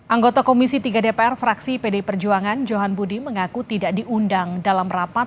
anggota komisi tiga dpr fraksi pd perjuangan johan budi mengaku tidak diundang dalam rapat